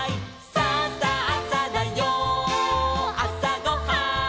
「さあさあさだよあさごはん」